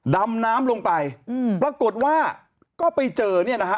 ดำน้ำลงไปอืมปรากฏว่าก็ไปเจอเนี่ยนะฮะ